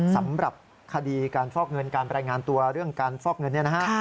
สำหรับคดีการฟอกเงินการรายงานตัวเรื่องการฟอกเงินเนี่ยนะฮะ